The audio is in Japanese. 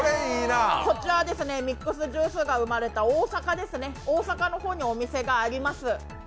こちらはミックスジュースが生まれた大阪の方にお店があります。